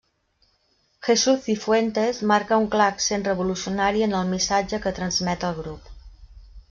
Jesús Cifuentes marca un clar accent revolucionari en el missatge que transmet el grup.